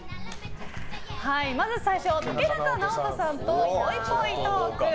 まず最初竹中直人さんとぽいぽいトーク。